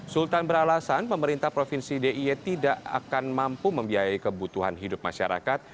sultan beralasan pemerintah provinsi d i e tidak akan mampu membiayai kebutuhan hidup masyarakat